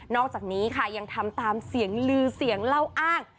อกจากนี้ค่ะยังทำตามเสียงลือเสียงเล่าอ้าง